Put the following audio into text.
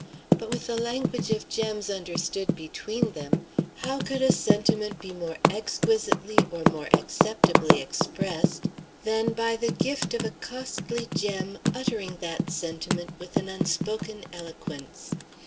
But with the language of gems understood between them, how could a sentiment be more exquisitely or more acceptably expressed than by the gift of a costly gem uttering that sentiment with an unspoken eloquence!